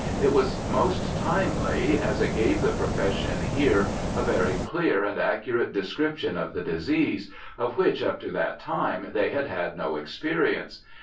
It was most timely, as it gave the profession here a very clear and accurate description of the disease, of which up to that time they had had no experience.